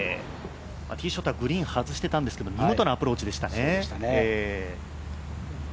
ティーショットはグリーン外してたんですけど見事なアプローチでしたね。